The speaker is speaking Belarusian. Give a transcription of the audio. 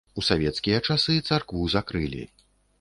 У савецкія часы царкву закрылі.